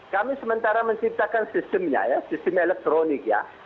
kami sementara menciptakan sistemnya ya sistem elektronik ya